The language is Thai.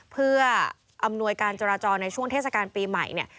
เพื่ออำนวยการจราจรในช่วงเทศกาลปีใหม่เนี่ย